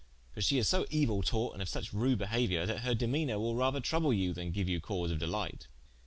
For she is so euill taught, and of suche rude behauiour, that her demeanour will rather trouble you, than geue you cause of delight."